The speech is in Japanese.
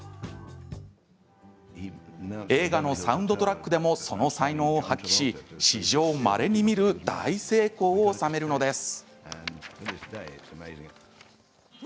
映画のサウンドトラックでもその才能を発揮し史上まれに見る大成功を収めるのです。